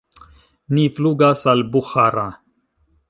Ni flugas al Buĥara.